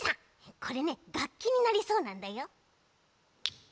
これねがっきになりそうなんだよ。